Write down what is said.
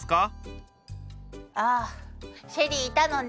あシェリいたのね。